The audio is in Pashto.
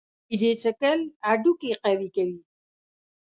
شیدې څښل هډوکي قوي کوي.